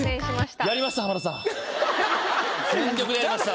全力でやりました。